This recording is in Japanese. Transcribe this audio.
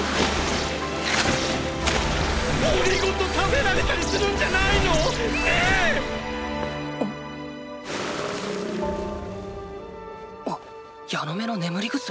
檻ごと食べられたりするんじゃないの⁉ねぇ⁉っ⁉あヤノメの眠り薬。